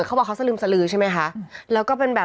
นี่ค่ะ